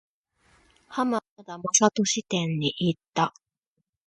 浜田雅功展に行った。